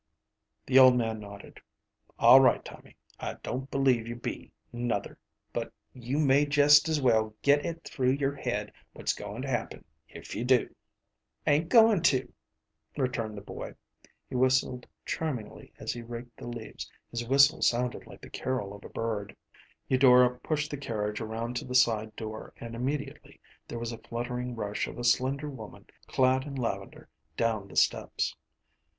The old man nodded. “All right, Tommy. I don’t believe you be, nuther, but you may jest as well git it through your head what’s goin’ to happen if you do.‚ÄĚ “Ain’t goin’ to,‚ÄĚ returned the boy. He whistled charmingly as he raked the leaves. His whistle sounded like the carol of a bird. Eudora pushed the carriage around to the side door, and immediately there was a fluttering rush of a slender woman clad in lavender down the steps.